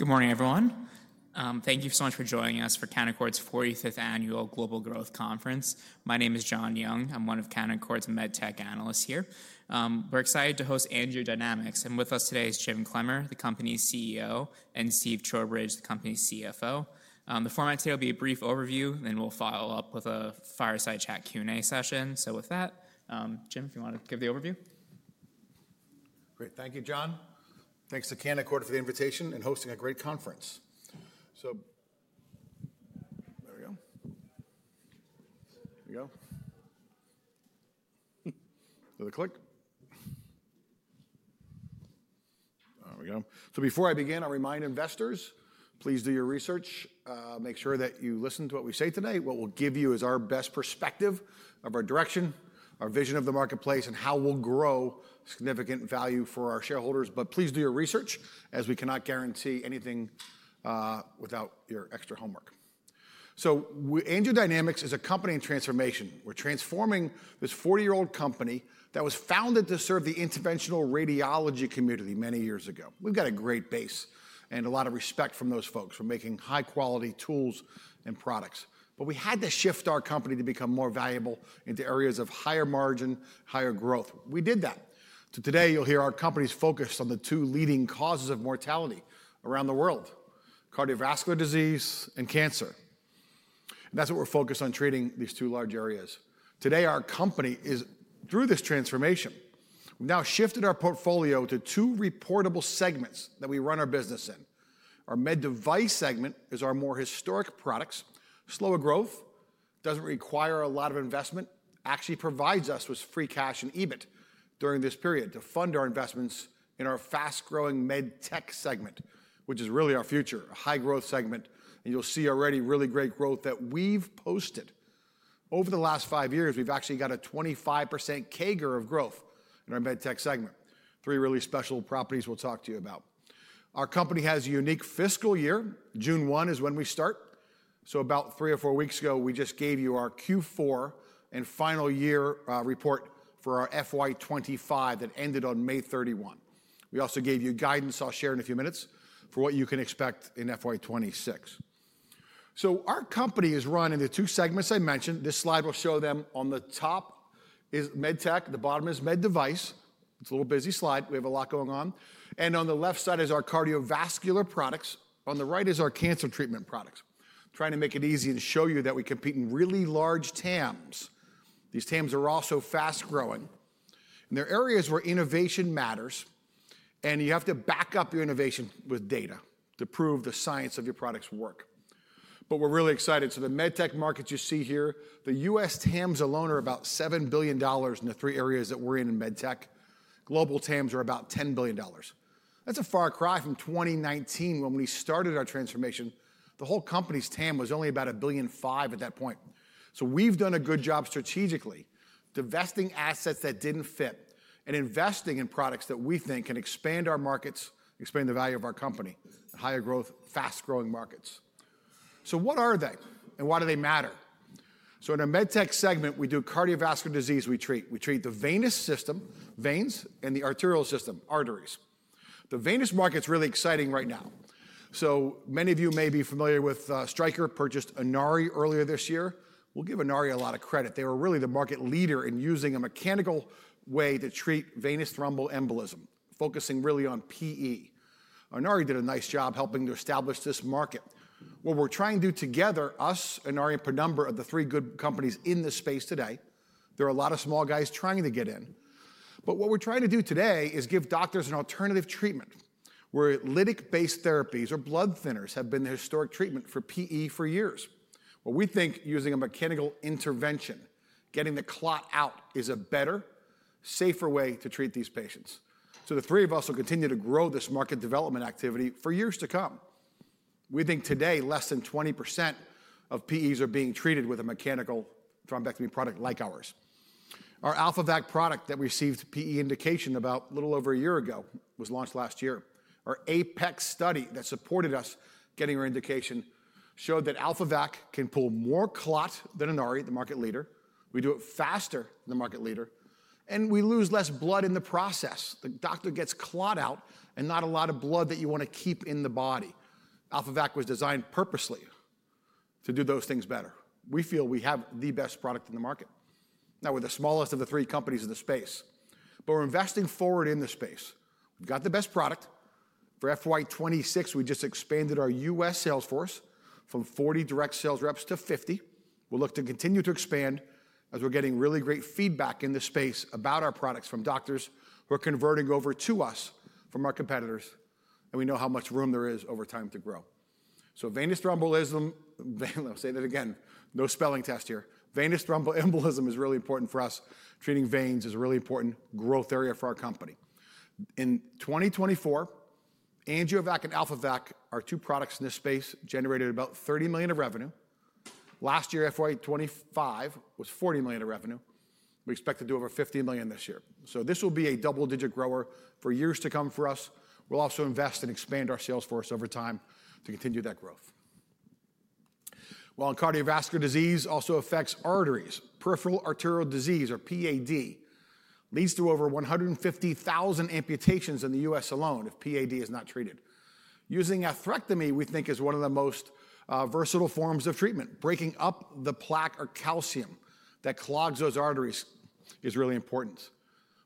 Good morning, everyone. Thank you so much for joining us for Canaccord's 45th Annual Global Growth Conference. My name is John Young., I'm one of Canaccord's Med Tech analysts here. We're excited to host AngioDynamics. With us today is Jim Clemmer, the company's CEO, and Steve Trowbridge, the company's CFO. The format today will be a brief overview, and then we'll follow up with a fireside chat Q&A session. Jim, if you want to give the overview. Great. Thank you, John. Thanks to Canaccord for the invitation and hosting a great conference. There we go. Here we go. Another click. There we go. Before I begin, I'll remind investors, please do your research. Make sure that you listen to what we say today. What we'll give you is our best perspective of our direction, our vision of the marketplace, and how we'll grow significant value for our shareholders. Please do your research, as we cannot guarantee anything without your extra homework. AngioDynamics is a company in transformation. We're transforming this 40-year-old company that was founded to serve the interventional radiology community many years ago. We've got a great base and a lot of respect from those folks for making high-quality tools and products. We had to shift our company to become more valuable into areas of higher margin, higher growth. We did that. Today, you'll hear our company is focused on the two leading causes of mortality around the world: cardiovascular disease and cancer. That's what we're focused on, treating these two large areas. Our company is through this transformation. We've now shifted our portfolio to two reportable segments that we run our business in. Our Med Device segment is our more historic products. Slower growth doesn't require a lot of investment. It actually provides us with free cash and EBIT during this period to fund our investments in our fast-growing Med Tech segment, which is really our future, a high-growth segment. You'll see already really great growth that we've posted. Over the last five years, we've actually got a 25% CAGR of growth in our Med Tech segment. Three really special properties we'll talk to you about. Our company has a unique fiscal year. June 1 is when we start. About three or four weeks ago, we just gave you our Q4 and final year report for our FY 2025 that ended on May 31. We also gave you guidance I'll share in a few minutes for what you can expect in FY 2026. Our company is run in the two segments I mentioned. This slide will show them. On the top is Med Tech. The bottom is Med Device. It's a little busy slide. We have a lot going on. On the left side is our cardiovascular products. On the right is our cancer treatment products. Trying to make it easy to show you that we compete in really large TAMs. These TAMs are also fast-growing. They're areas where innovation matters. You have to back up your innovation with data to prove the science of your products work. We're really excited. The Med Tech markets you see here, the U.S. TAMs alone are about $7 billion in the three areas that we're in in Med Tech. Global TAMs are about $10 billion. That is a far cry from 2019 when we started our transformation. The whole company's TAM was only about $1.5 billion at that point. We've done a good job strategically divesting assets that didn't fit and investing in products that we think can expand our markets, expand the value of our company, and higher growth, fast-growing markets. What are they, and why do they matter? In a Med Tech segment, we do cardiovascular disease. We treat the venous system, veins, and the arterial system, arteries. The venous market is really exciting right now. Many of you may be familiar with Stryker, purchased Inari earlier this year. I'll give Inari a lot of credit. They were really the market leader in using a mechanical way to treat venous thromboembolism, focusing really on PE. Inari did a nice job helping to establish this market. What we're trying to do together, us, Inari and Penumbra, are the three good companies in this space today. There are a lot of small guys trying to get in. What we're trying to do today is give doctors an alternative treatment where lytic-based therapies or blood thinners have been the historic treatment for PE for years. We think using a mechanical intervention, getting the clot out, is a better, safer way to treat these patients. The three of us will continue to grow this market development activity for years to come. We think today less than 20% of PEs are being treated with a mechanical thrombectomy product like ours. Our AlphaVac product that received PE indication about a little over a year ago was launched last year. Our APEX S tudy that supported us getting our indication showed that AlphaVac can pull more clots than Inari, the market leader. We do it faster than the market leader, and we lose less blood in the process. The doctor gets clot out and not a lot of blood that you want to keep in the body. AlphaVac was designed purposely to do those things better. We feel we have the best product in the market, now with the smallest of the three companies in the space. We're investing forward in the space. We've got the best product. For FY 2026, we just expanded our U.S. sales force from 40 direct sales reps to 50. We'll look to continue to expand as we're getting really great feedback in the space about our products from doctors who are converting over to us from our competitors. We know how much room there is over time to grow. Venous thromboembolism, I'll say that again, no spelling test here. Venous thromboembolism is really important for us. Treating veins is a really important growth area for our company. In 2024, AngioVac and AlphaVac are two products in this space generating about $30 million in revenue. Last year, FY 2025 was $40 million in revenue. We expect to do over $15 million this year. This will be a double-digit grower for years to come for us. We'll also invest and expand our sales force over time to continue that growth. Cardiovascular disease also affects arteries. Peripheral arterial disease, or PAD, leads to over 150,000 amputations in the U.S. alone if PAD is not treated. Using atherectomy, we think, is one of the most versatile forms of treatment. Breaking up the plaque or calcium that clogs those arteries is really important.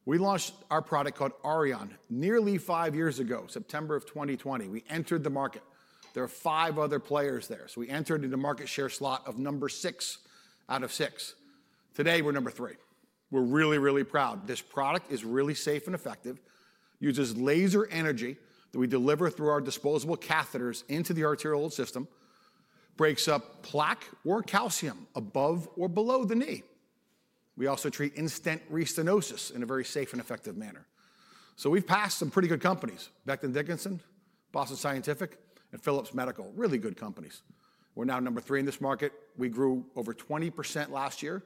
We launched our product called Auryon nearly five years ago, September of 2020. We entered the market. There are five other players there. We entered in the market share slot of number six out of six. Today, we're number three. We're really, really proud. This product is really safe and effective, uses laser energy that we deliver through our disposable catheters into the arterial system, breaks up plaque or calcium above or below the knee. We also treat in-stent restenosis in a very safe and effective manner. We've passed some pretty good companies: Becton Dickinson, Boston Scientific, and Philips Medical, really good companies. We're now number three in this market. We grew over 20% last year.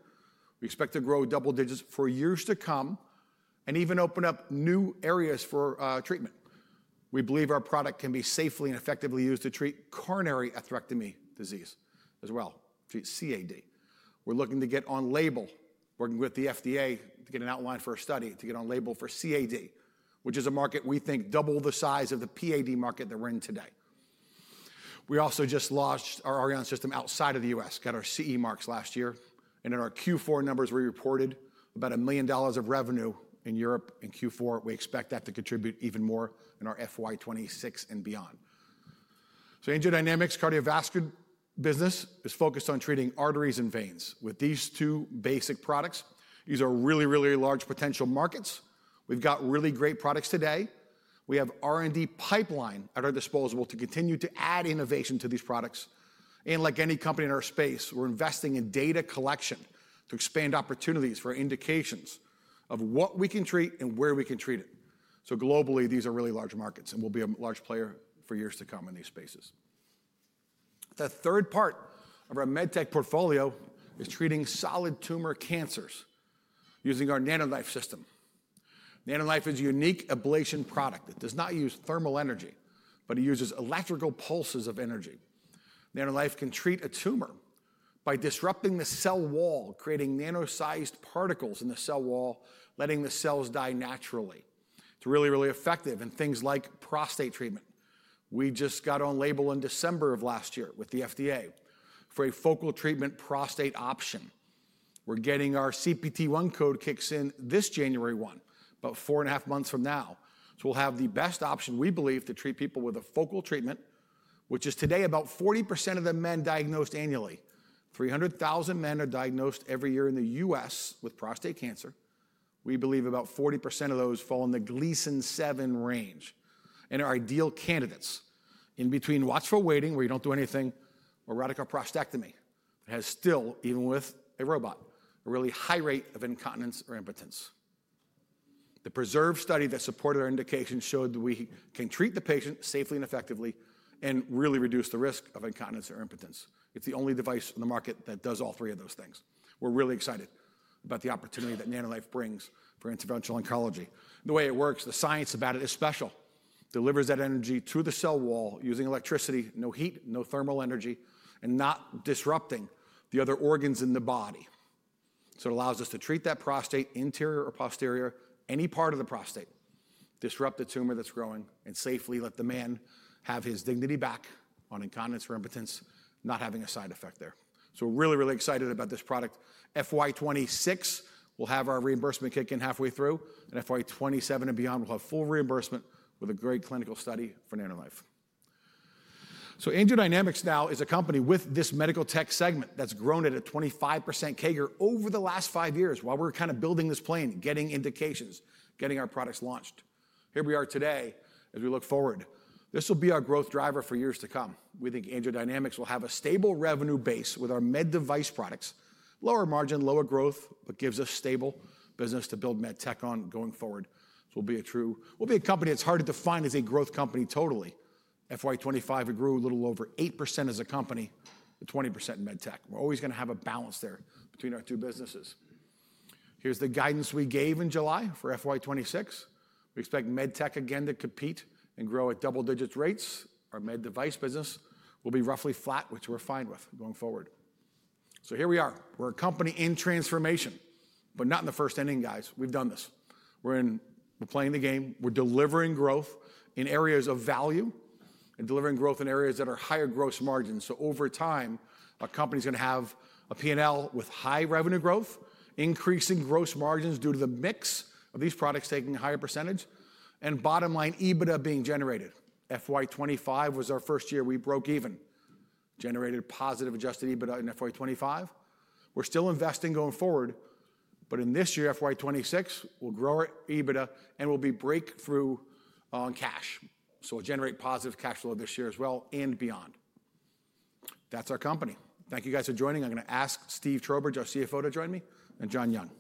We expect to grow double digits for years to come and even open up new areas for treatment. We believe our product can be safely and effectively used to treat coronary atherectomy disease as well, treat CAD. We're looking to get on label, working with the FDA to get an outline for a study to get on label for CAD, which is a market we think double the size of the PAD market that we're in today. We also just launched our Auryon system outside of the U.S., got our CE mark last year. In our Q4 numbers, we reported about $1 million of revenue in Europe in Q4. We expect that to contribute even more in our FY 2026 and beyond. AngioDynamics cardiovascular business is focused on treating arteries and veins. With these two basic products, these are really, really large potential markets. We've got really great products today. We have R&D pipeline at our disposal to continue to add innovation to these products. Like any company in our space, we're investing in data collection to expand opportunities for indications of what we can treat and where we can treat it. Globally, these are really large markets and will be a large player for years to come in these spaces. The third part of our Med Tech portfolio is treating solid tumor cancers using our NanoKnife System. NanoKnife is a unique ablation product. It does not use thermal energy, but it uses electrical pulses of energy. NanoKnife can treat a tumor by disrupting the cell wall, creating nano-sized particles in the cell wall, letting the cells die naturally. It's really, really effective in things like prostate treatment. We just got on label in December of last year with the FDA for a focal treatment prostate option. We're getting our CPT-1 code kicks in this January 1, about four and a half months from now. We'll have the best option, we believe, to treat people with a focal treatment, which is today about 40% of the men diagnosed annually. 300,000 men are diagnosed every year in the U.S. with prostate cancer. We believe about 40% of those fall in the Gleason 7 range and are ideal candidates. In between watchful waiting, where you don't do anything, or radical prostatectomy, it has still, even with a robot, a really high rate of incontinence or impotence. The PRESERVE study that supported our indication showed that we can treat the patient safely and effectively and really reduce the risk of incontinence or impotence. It's the only device on the market that does all three of those things. We're really excited about the opportunity that NanoKnife brings for interventional oncology. The way it works, the science about it is special. It delivers that energy to the cell wall using electricity, no heat, no thermal energy, and not disrupting the other organs in the body. It allows us to treat that prostate, interior or posterior, any part of the prostate, disrupt the tumor that's growing, and safely let the man have his dignity back on incontinence or impotence, not having a side effect there. We're really, really excited about this product. FY 2026, we'll have our reimbursement kick in halfway through. FY 2027 and beyond, we'll have full reimbursement with a great clinical study for NanoKnife. AngioDynamics now is a company with this Med Tech segment that's grown at a 25% CAGR over the last five years while we're kind of building this plane, getting indications, getting our products launched. Here we are today as we look forward. This will be our growth driver for years to come. We think AngioDynamics will have a stable revenue base with our Med Device products, lower margin, lower growth, but gives us stable business to build Med Tech on going forward. We'll be a true, we'll be a company that's hard to define as a growth company totally. FY 2025, we grew a little over 8% as a company and 20% in Med Tech. We're always going to have a balance there between our two businesses. Here's the guidance we gave in July for FY 2026. We expect Med Tech again to compete and grow at double-digit rates. Our Med Device business will be roughly flat, which we're fine with going forward. We are a company in transformation, but not in the first inning, guys. We've done this. We're playing the game. We're delivering growth in areas of value and delivering growth in areas that are higher gross margins. Over time, our company is going to have a P&L with high revenue growth, increasing gross margins due to the mix of these products taking a higher percentage, and bottom line EBITDA being generated. FY 2025 was our first year we broke even, generated positive adjusted EBITDA in FY 2025. We're still investing going forward. In this year, FY 2026, we'll grow our EBITDA and we'll be breakthrough on cash. We'll generate positive cash flow this year as well and beyond. That's our company. Thank you guys for joining. I'm g oing to ask Steve Trowbridge, our CFO, to join me and John Young.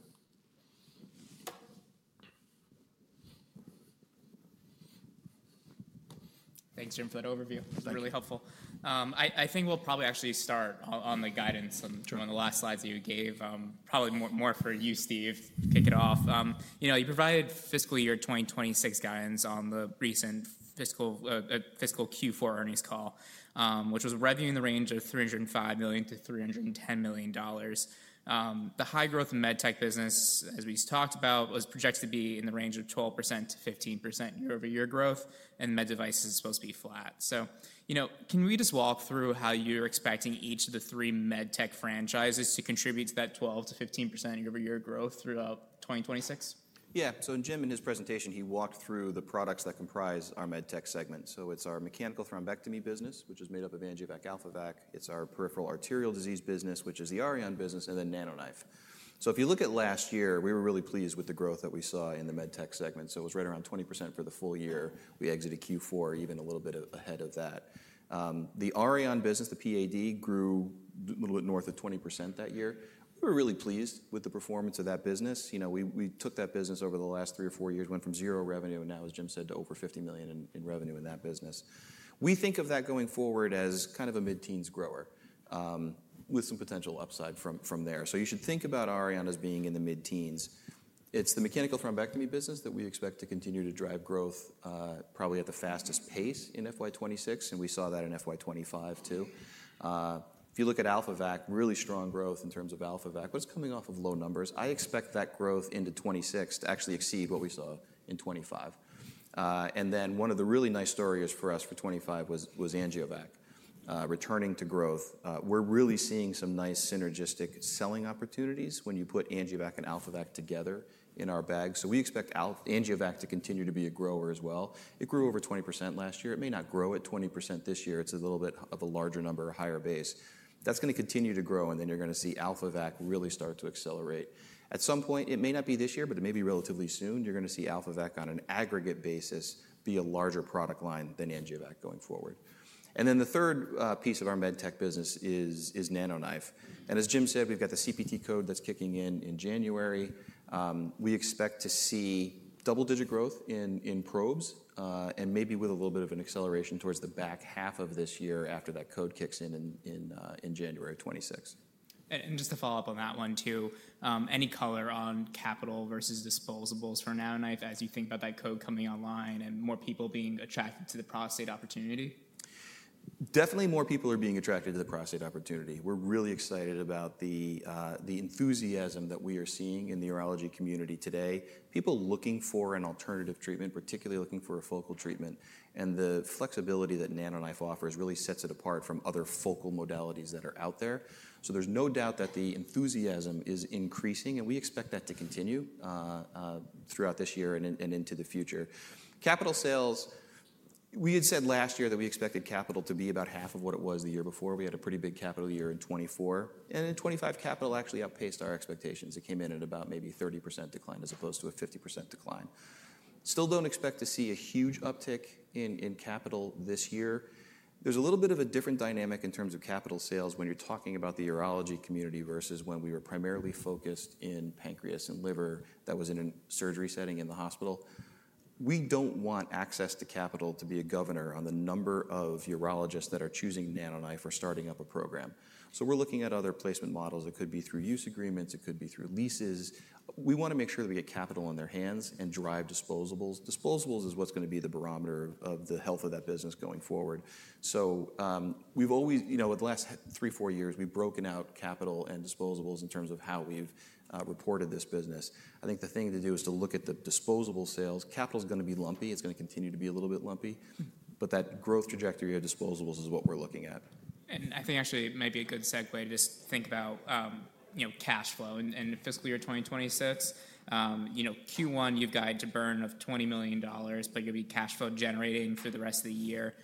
Thanks, Jim, for that overview. That's really helpful. I think we'll probably actually start on the guidance from the last slides that you gave, probably more for you, Steve, to kick it off. You know, you provided fiscal year 2026 guidance on the recent fiscal Q4 earnings call, which was revenue in the range of $305 million-$310 million. The high-growth Med Tech business, as we talked about, was projected to be in the range of 12%-15% year-over-year growth. Med Device is supposed to be flat. You know, can we just walk through how you're expecting each of the three Med Tech franchises to contribute to that 12%-15% year-over-year growth throughout 2026? Yeah. In Jim and his presentation, he walked through the products that comprise our Med Tech segment. It's our mechanical thrombectomy business, which is made up of AngioVac, AlphaVac. It's our peripheral arterial disease business, which is the Auryon business, and then NanoKnife. If you look at last year, we were really pleased with the growth that we saw in the Med Tech segment. It was right around 20% for the full year. We exited Q4 even a little bit ahead of that. The Auryon business, the PAD, grew a little bit north of 20% that year. We were really pleased with the performance of that business. We took that business over the last three or four years, went from 0 revenue, and now, as Jim said, to over $50 million in revenue in that business. We think of that going forward as kind of a mid-teens grower with some potential upside from there. You should think about Auryon as being in the mid-teens. It's the mechanical thrombectomy business that we expect to continue to drive growth probably at the fastest pace in FY 2026. We saw that in FY 2025 too. If you look at AlphaVac, really strong growth in terms of AlphaVac, but it's coming off of low numbers. I expect that growth into 2026 to actually exceed what we saw in 2025. One of the really nice stories for us for 2025 was AngioVac returning to growth. We're really seeing some nice synergistic selling opportunities when you put AngioVac and AlphaVac together in our bag. We expect AngioVac to continue to be a grower as well. It grew over 20% last year. It may not grow at 20% this year. It's a little bit of a larger number, a higher base. That's going to continue to grow. You're going to see AlphaVac really start to accelerate. At some point, it may not be this year, but it may be relatively soon, you're going to see AlphaVac on an aggregate basis be a larger product line than AngioVac going forward. The third piece of our Med Tech business is NanoKnife. As Jim said, we've got the CPT-1 code that's kicking in in January. We expect to see double-digit growth in probes and maybe with a little bit of an acceleration towards the back half of this year after that code kicks in in January of 2026. Just to follow up on that one too, any color on capital versus disposables for NanoKnife as you think about that code coming online and more people being attracted to the prostate opportunity? Definitely more people are being attracted to the prostate opportunity. We're really excited about the enthusiasm that we are seeing in the urology community today. People looking for an alternative treatment, particularly looking for a focal treatment. The flexibility that NanoKnife offers really sets it apart from other focal modalities that are out there. There is no doubt that the enthusiasm is increasing. We expect that to continue throughout this year and into the future. Capital sales, we had said last year that we expected capital to be about half of what it was the year before. We had a pretty big capital year in 2024, and in 2025, capital actually outpaced our expectations. It came in at about maybe a 30% decline as opposed to a 50% decline. Still don't expect to see a huge uptick in capital this year. There is a little bit of a different dynamic in terms of capital sales when you're talking about the urology community versus when we were primarily focused in pancreas and liver that was in a surgery setting in the hospital. We don't want access to capital to be a governor on the number of urologists that are choosing NanoKnife or starting up a program. We're looking at other placement models. It could be through use agreements. It could be through leases. We want to make sure that we get capital in their hands and drive disposables. Disposables is what's going to be the barometer of the health of that business going forward. We've always, the last three or four years, broken out capital and disposables in terms of how we've reported this business. I think the thing to do is to look at the disposable sales. Capital is going to be lumpy. It's going to continue to be a little bit lumpy. That growth trajectory of disposables is what we're looking at. I think actually it might be a good segue to just think about, you know, cash flow. In fiscal year 2026, you know, Q1, you've got a burn of $20 million, but you'll be cash flow generating through the rest of the year.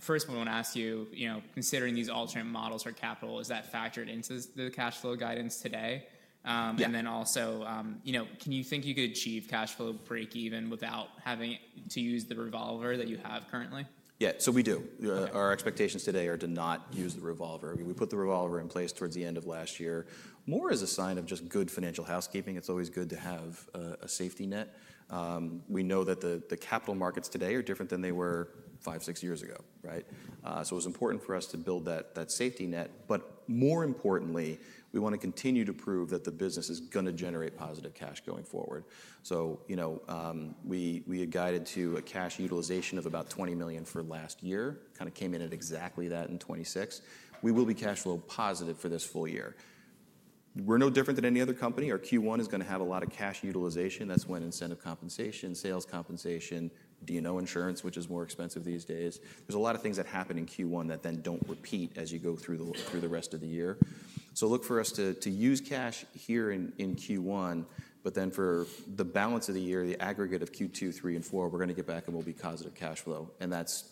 First, I want to ask you, you know, considering these alternate models for capital, is that factored into the cash flow guidance today? Also, you know, can you think you could achieve cash flow break even without having to use the revolver that you have currently? Yeah, so we do. Our expectations today are to not use the revolver. We put the revolver in place towards the end of last year, more as a sign of just good financial housekeeping. It's always good to have a safety net. We know that the capital markets today are different than they were five, six years ago, right? It was important for us to build that safety net. More importantly, we want to continue to prove that the business is going to generate positive cash going forward. We are guided to a cash utilization of about $20 million for last year, kind of came in at exactly that in 2026. We will be cash flow positive for this full year. We're no different than any other company. Our Q1 is going to have a lot of cash utilization. That's when incentive compensation, sales compensation, D&O insurance, which is more expensive these days. There are a lot of things that happen in Q1 that then don't repeat as you go through the rest of the year. Look for us to use cash here in Q1. For the balance of the year, the aggregate of Q2, Q3, and Q4, we're going to get back and we'll be positive cash flow. That's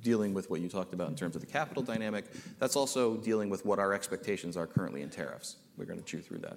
dealing with what you talked about in terms of the capital dynamic. That's also dealing with what our expectations are currently in tariffs. We're going to chew through that.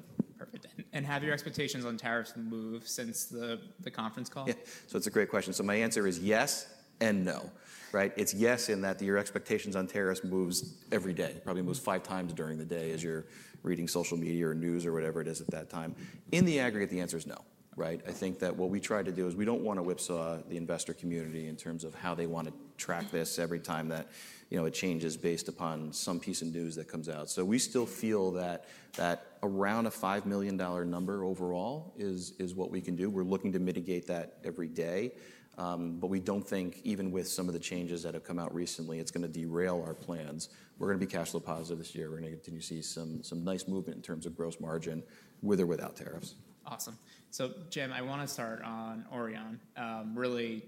Have your expectations on tariffs moved since the conference call? Yeah, it's a great question. My answer is yes and no, right? It's yes in that your expectations on tariffs move every day. They probably move five times during the day as you're reading social media or news or whatever it is at that time. In the aggregate, the answer is no, right? I think that what we try to do is we don't want to whipsaw the investor community in terms of how they want to track this every time that it changes based upon some piece of news that comes out. We still feel that around a $5 million number overall is what we can do. We're looking to mitigate that every day. We don't think even with some of the changes that have come out recently, it's going to derail our plans. We're going to be cash flow positive this year. We're going to continue to see some nice movement in terms of gross margin with or without tariffs. Awesome. Jim, I want to start on Auryon. Really,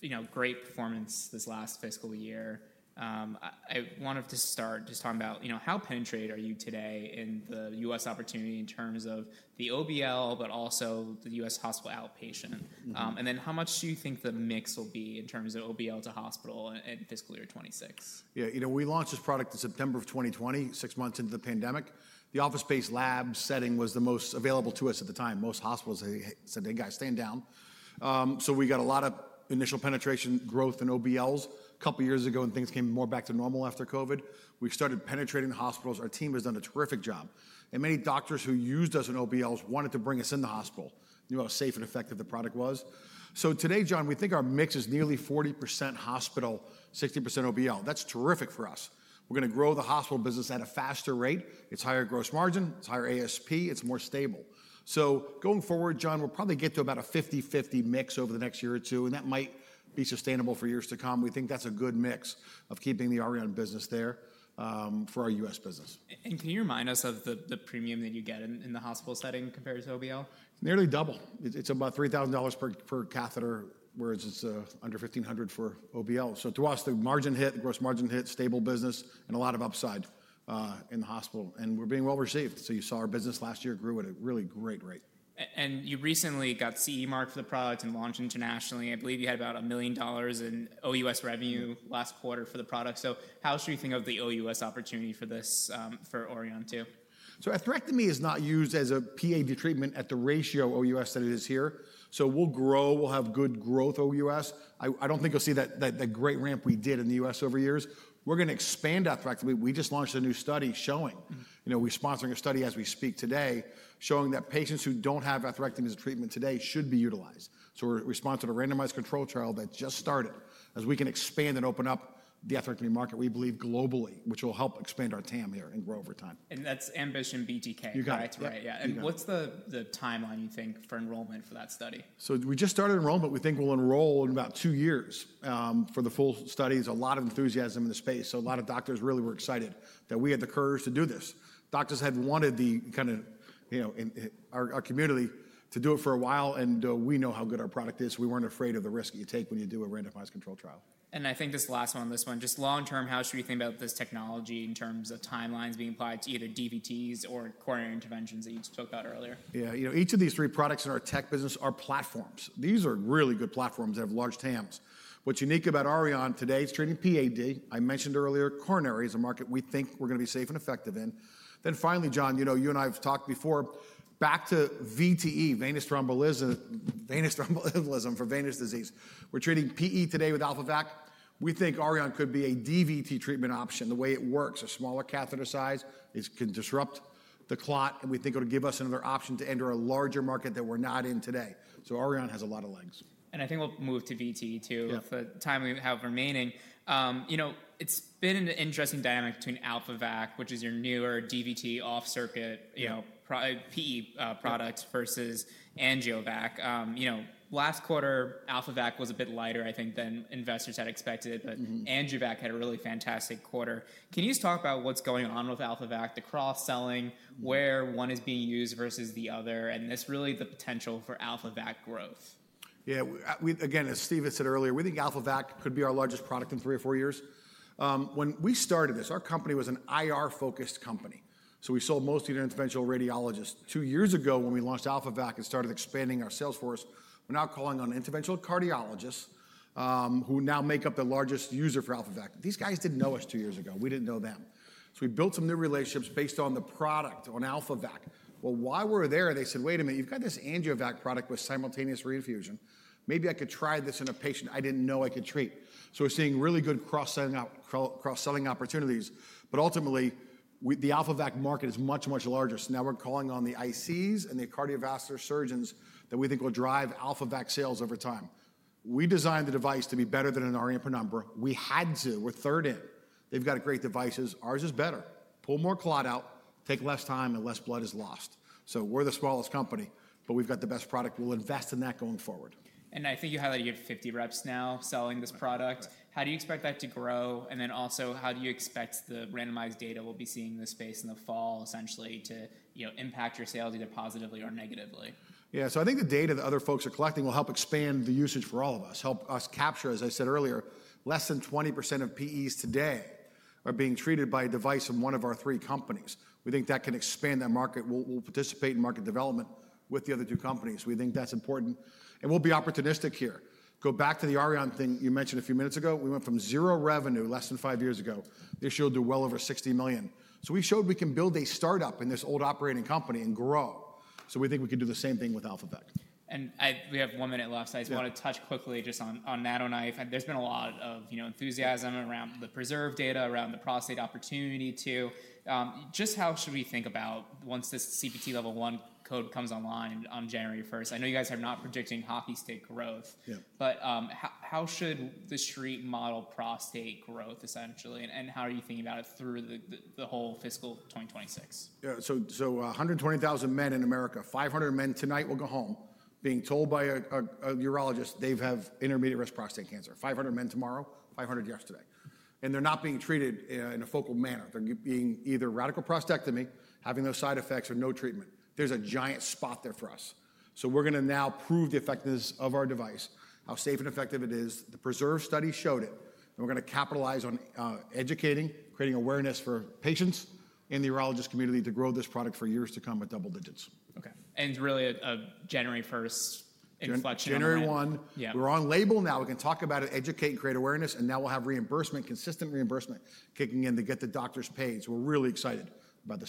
you know, great performance this last fiscal year. I wanted to start just talking about, you know, how penetrated are you today in the U.S. opportunity in terms of the OBL, but also the U.S. hospital outpatient? How much do you think the mix will be in terms of OBL to hospital in fiscal year 2026? Yeah, you know, we launched this product in September of 2020, six months into the pandemic. The office-based lab setting was the most available to us at the time. Most hospitals said, "Hey, guys, stand down." We got a lot of initial penetration growth in OBLs a couple of years ago, and things came more back to normal after COVID. We've started penetrating the hospitals. Our team has done a terrific job. Many doctors who used us in OBLs wanted to bring us in the hospital, knew how safe and effective the product was. Today, John, we think our mix is nearly 40% hospital, 60% OBL. That's terrific for us. We're going to grow the hospital business at a faster rate. It's higher gross margin. It's higher ASP. It's more stable. Going forward, John, we'll probably get to about a 50/50 mix over the next year or two. That might be sustainable for years to come. We think that's a good mix of keeping the Auryon business there for our U.S. business. Can you remind us of the premium that you get in the hospital setting compared to OBL? Nearly double. It's about $3,000 per catheter, whereas it's under $1,500 for OBL. To us, the margin hit, the gross margin hit, stable business, and a lot of upside in the hospital. We're being well received. You saw our business last year grew at a really great rate. You recently got CE mark for the product and launched internationally. I believe you had about $1 million in OUS revenue last quarter for the product. How should we think of the OUS opportunity for this for Auryon too? Atherectomy is not used as a PAD treatment at the ratio OUS that it is here. We'll grow. We'll have good growth OUS. I don't think you'll see that great ramp we did in the U.S. over years. We're going to expand atherectomy. We just launched a new study showing, you know, we're sponsoring a study as we speak today, showing that patients who don't have atherectomy as a treatment today should be utilized. We're responsible to randomized controlled trial that just started as we can expand and open up the atherectomy market, we believe globally, which will help expand our TAM here and grow over time. That's AMBITION BTK, right? You got it. What is the timeline you think for enrollment for that study? We just started enrollment. We think we'll enroll in about two years for the full study. There's a lot of enthusiasm in the space. A lot of doctors really were excited that we had the courage to do this. Doctors had wanted, you know, in our community to do it for a while. We know how good our product is. We weren't afraid of the risk that you take when you do a randomized controlled trial. I think this is the last one on this one. Just long term, how should we think about this technology in terms of timelines being applied to either DVTs or coronary interventions that you just spoke about earlier? Yeah, you know, each of these three products in our tech business are platforms. These are really good platforms that have large TAMs. What's unique about Auryon today is treating PAD. I mentioned earlier, coronary is a market we think we're going to be safe and effective in. Finally, John, you know, you and I have talked before, back to VTE, venous thromboembolism for venous disease. We're treating PE today with AlphaVac. We think Auryon could be a DVT treatment option. The way it works, a smaller catheter size can disrupt the clot. We think it'll give us another option to enter a larger market that we're not in today. Auryon has a lot of legs. I think we'll move to VTE too for the time we have remaining. It's been an interesting dynamic between AlphaVac, which is your newer DVT off-circuit, PE products versus AngioVac. Last quarter, AlphaVac was a bit lighter, I think, than investors had expected. AngioVac had a really fantastic quarter. Can you just talk about what's going on with AlphaVac, the cross-selling, where one is being used versus the other, and really the potential for AlphaVac growth? Yeah, again, as Steve has said earlier, we think AlphaVac could be our largest product in three or four years. When we started this, our company was an IR-focused company. We sold mostly to interventional radiologists. Two years ago, when we launched AlphaVac and started expanding our sales force, we're now calling on interventional cardiologists who now make up the largest user for AlphaVac. These guys didn't know us two years ago. We didn't know them. We built some new relationships based on the product, on AlphaVac. While we're there, they said, "Wait a minute, you've got this AngioVac product with simultaneous reinfusion. Maybe I could try this in a patient I didn't know I could treat." We're seeing really good cross-selling opportunities. Ultimately, the AlphaVac market is much, much larger. Now we're calling on the ICs and the cardiovascular surgeons that we think will drive AlphaVac sales over time. We designed the device to be better than a Penumbra. We had to. We're third in. They've got great devices. Ours is better. Pull more clot out, take less time, and less blood is lost. We're the smallest company, but we've got the best product. We'll invest in that going forward. I think you highlighted you have 50 reps now selling this product. How do you expect that to grow? How do you expect the randomized data we'll be seeing in the space in the fall, essentially, to impact your sales either positively or negatively? Yeah, I think the data that other folks are collecting will help expand the usage for all of us, help us capture, as I said earlier, less than 20% of PEs today are being treated by a device from one of our three companies. We think that can expand that market. We'll participate in market development with the other two companies. We think that's important. We'll be opportunistic here. Go back to the Auryon thing you mentioned a few minutes ago. We went from $0 revenue less than five years ago. This year we'll do well over $60 million. We showed we can build a startup in this old operating company and grow. We think we can do the same thing with AlphaVac. We have one minute left. I just want to touch quickly on NanoKnife. There's been a lot of enthusiasm around the PRESERVE data, around the prostate opportunity too. How should we think about once this CPT level 1 code comes online on January 1? I know you guys are not predicting hockey stick growth. How should the street model prostate growth, essentially? How are you thinking about it through the whole fiscal 2026? Yeah, so 120,000 men in America, 500 men tonight will go home being told by a urologist they have intermediate risk prostate cancer. 500 men tomorrow, 500 yesterday. They're not being treated in a focal manner. They're being either radical prostatectomy, having no side effects, or no treatment. There's a giant spot there for us. We are going to now prove the effectiveness of our device, how safe and effective it is. The PRESERVE study showed it. We are going to capitalize on educating, creating awareness for patients in the urologist community to grow this product for years to come at double digits. OK. It's really a January 1st inflection. January 1. We're on label now. We can talk about it, educate, and create awareness. We will have consistent reimbursement kicking in to get the doctors paid. We're really excited about this hospital.